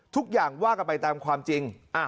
ทุกอย่างว่ากันไปตามความจริง